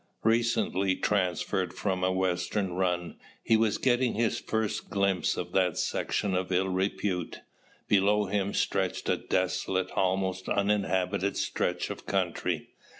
Recently transferred from a western run, he was getting his first glimpse of that section of ill repute. Below him stretched a desolate, almost uninhabited stretch of country.